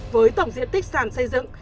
với tổng diện tích sản xây dựng